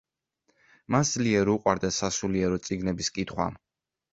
მას ძლიერ უყვარდა სასულიერო წიგნების კითხვა.